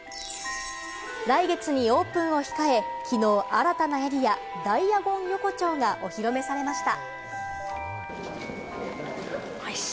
来月にオープンを控え、きのう新たなエリア、ダイアゴン横丁がお披露目されました。